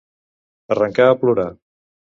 Arrencar a plorar.